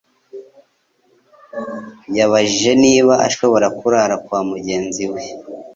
yabajije niba ashobora kurara kwa mugenzi we